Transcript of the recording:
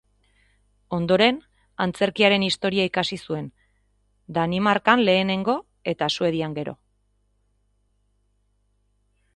Ondoren, Antzerkiaren Historia ikasi zuen, Danimarkan lehenengo eta Suedian gero.